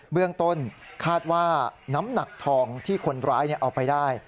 เบื้องต้นคาดว่าน้ำหนักทองที่คนร้ายเอาไปได้